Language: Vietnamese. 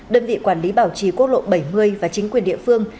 đơn vị quản lý bảo trì quốc lộ bảy mươi và chính quyền địa phương